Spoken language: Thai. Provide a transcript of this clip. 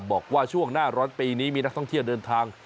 บอกว่าช่วงหน้าร้อนปีนี้มีนักท่องเที่ยวเดินทาง